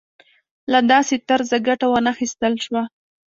له داسې طرزه ګټه وانخیستل شوه.